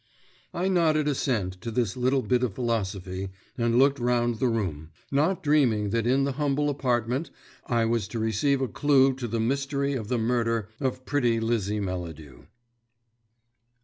I nodded assent to this little bit of philosophy, and looked round the room, not dreaming that in the humble apartment I was to receive a clue to the mystery of the murder of pretty Lizzie Melladew.